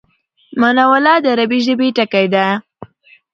مناوله د عربي ژبی ټکی دﺉ.